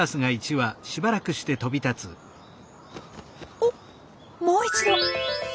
おっもう一度。